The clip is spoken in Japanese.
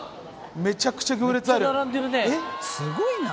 めちゃくちゃ行列あるスゴいな